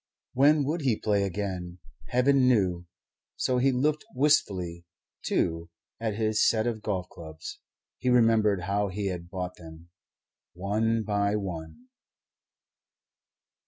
When would he play again? Heaven knew! So he looked wistfully, too, at his set of golf clubs. He remembered how he had bought them one by one.